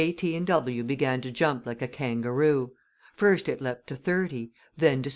& W. began to jump like a kangaroo. First it leaped to 30, then to 68.